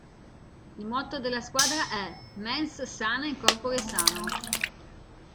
Il motto della squadra è: "Mens sana in corpore sano".